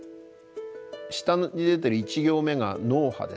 下に出てる１行目が脳波ですね。